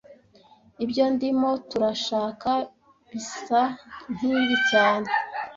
Ibyo ndimo turashaka bisa nkibi cyane